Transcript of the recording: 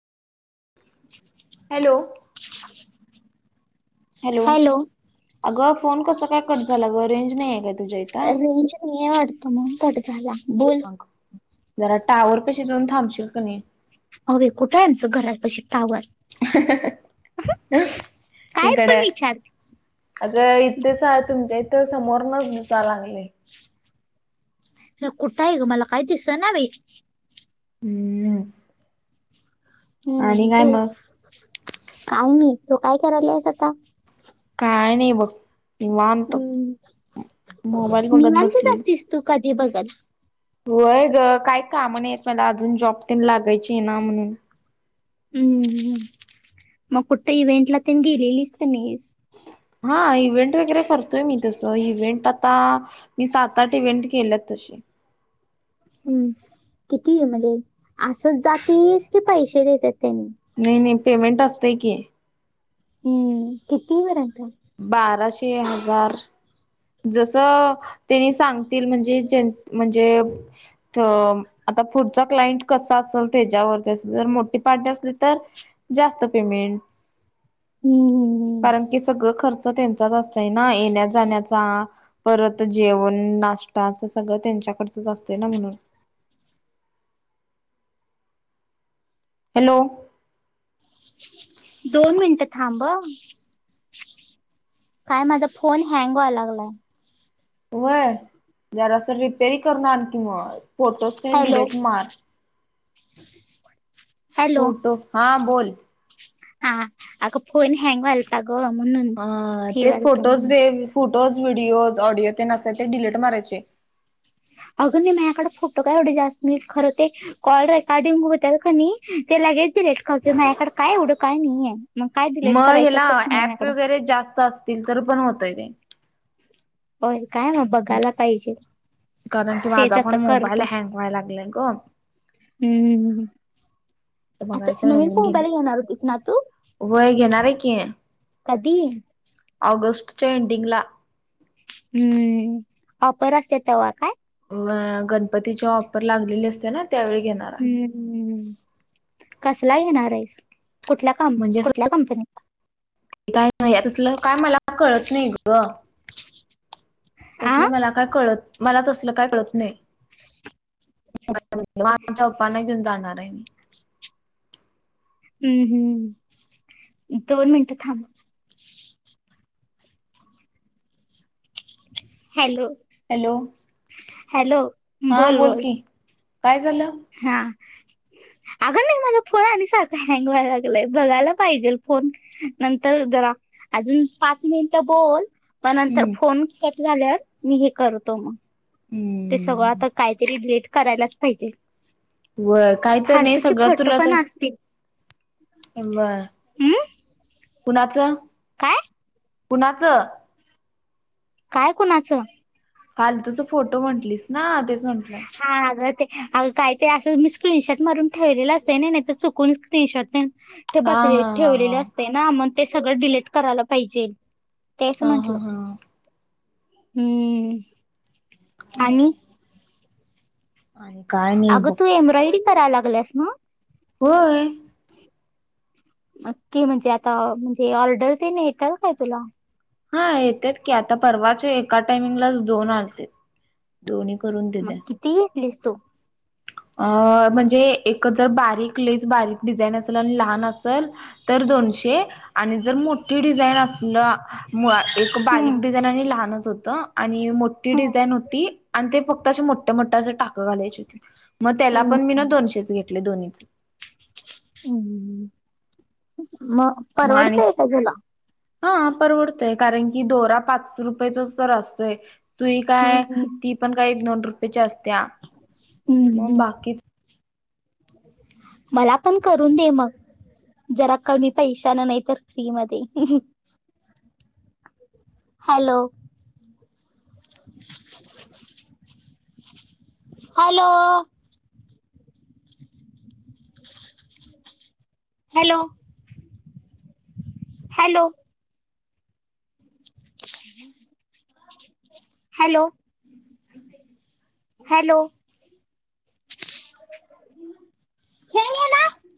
[inaudible] Hello! Hello अगं phone कस काय कट झालं ग रेंज नाही आहे का तुझ्या इथ? रेंज नाही वाटत म्हणून कट झाला. बोल. अग जरा टावरपशी जाऊन थांबशील का नाही. आग बाई कुठाय आमचं घरापशी टावर. ह [inaudible] काय पण विचारतीस. आग इथेच तुमच्या इथं समोरन दिसा लागलय. [unintelligible] कुठाय ग मला काय दिसना बाई. हम्म [unintelligible] हम्म आणि काय बोल मग काय नाही. तू काय कराल्यास आता? काय नाही बघ. निवांत. हम्म, मोबाईल बघत निवांतच बसलोय. असतीस तू कधी बघत होय ग काय काम नाहियेत मला अजून जॉब तेन लागायची आहे ना म्हणून. हम्मं.. मग कुठ इव्हेंटला तेन गेलेलीस का नाहीस? हा इव्हेंट वगैरे करतोय मी तसं इव्हेंट आता मी सात -आठ इव्हेंट केल्यात तशी. हम्म किती म्हंजे आसंच जातीस की पैशे देत्यात तेनी? नाही- नाही पेमेंट असतय की. हम्म किती परेंत? बाराशे- हजार. जस तेनी सांगतील म्हणजे जें म्हणजे त.. आता पुढचा क्लाइंट कसं असेल त्याच्यावरती मोठी पार्टी असली तर जास्त पेमेंट. हम्म, कारण की संगळ खर्च त्यांचाच असतयं ना येण्या जाण्या चा परत जेवण नाश्ता अस सगळं त्यांच्याकडचं असतं ना म्हणून हॅलो. दोन मिनिटं थांब हं. काय माझा फोन हँग व्हाय लागलाय. वय जरासं रिपेंरीग करून आण की मग फोटोस ते हॅलो डिलीट मार. [unintelligible] हॅलो फोटो हा बोल हा अगं फोन हँग व्हालता. अग म्हणून अ हे तेच व्हालत फोटोज व अगं फोटोज व्हिडिओज, ऑडिओ ते नसत ते डिलीट मारायचे. अगं नाही माझ्याकडं फोटो काय एवढे जास्त नाही खरं ते कॉल रेकॉर्डिंग होत का नाही ते लगेच डीलेट करते. माझ्याकडं काय एवढं काय नाहीये. मग काय डिलीट मग ह्याला करायसारखंच नाहीये ऍप माझ्याकडं वगैरे जास्त असतील तर पण होतय ते होय काय मग बघायला पाहिजे कारण की तेच माझा पण आता मोबाईल करतो. हँग व्हाय लागलय ग. हम्म तर आता बघायचं नवीन मोबाईला घेणार होतीस ना तू. व्हय घेणार आहे की कधी? ऑगस्टच्या एंडिंग ला. हम्म ऑफर असते तेव्हा काय. अ गणपतीचा ऑफर लागलेले असते ना त्यावेळी घेणार. आहे हम् कसला घेणार आहेस कुठल्या क म्हणजे कुठल्या कंपनी काय नाहीत असलं काय मला कळत नाही ग? आ तसलं मला काय कळत, मला तसलं काय कळत नाही. माझ्या पप्पांना घेऊन जाणार आहे. हम्म हम्म दोन मिनिटं थांब. हॅलो. हॅलो. हॅलो. हा बोल की काय झालं? हां. अगं नाही माझा फोन आणि सारखा हँग व्हायला लागलाय बघायला पाहिजे फोन. नंतर जरा अजून पाच मिनिटं बोल पण नंतर हम्म फोन कट झाल्यावर मी हे करतो मग. ते सगळं हम्म आता काहीतरी लेट करायलाच पाहिजे. व काही तर नाही फालतूची सगळं फोटो पण असतील. बर हम्म? कुणाचं? काय? कुणाचं? काय कुणाचं? फालतूच फोटो म्हंटलीस. ना ते स हा ग ते अगं काय ते असं मी स्क्रीनशॉट मारून ठेवलेलं असतय ना नाही तर चुकून स्क्रीनशॉट ते हा बसले हा ठेवलेले हा असतय. ना मग ते सगळं डिलीट करायला पाहिजे तेच हा हा हा म्हंटलं. हा हम्म आणि आणि काय नाही बघ अगं तू एम्ब्रॉयडरी करायला लागलीयास ना? व्हय. नक्की म्हणजे आता म्हणजे ऑर्डर येन येताल काय तुला? हा येत्यात की आता परवाचे एका टायमिंगलाच दोन आलते. दोन मग किती घेतलीस तू? अ म्हणजे एक जर बारीक लेस बारीक डिझाईन असेल आणि लहान असेल तर दोनशे, आणि जर मोठी डिझाईन असलं मु एक हम्म बारीक डिझाईन आणि लहानच होतं, आणि मोठी डिझाईन होती आणि ते फक्त असे मोठे मोठ्या असं टाकं घालायचे होती मग त्याला हम्म पण मी ना दोनशेच घेतले दोन्ही. मग म आणि - परवडतय का तुला परवडतोय कारण दोरा पाच रुपयेचाच तर असतोय. सुई काय हम्म ती पण काही दोन रुपयाची असत्यीया मग हम्म बाकीच मला पण करून दे मग. जरा कमी पैशाना नाही तर फ्री मध्ये. Hello. Hello. Hello hello. Hello... hello.. हेंगे ना